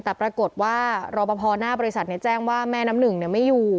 แต่ปรากฏว่ารอปภหน้าบริษัทแจ้งว่าแม่น้ำหนึ่งไม่อยู่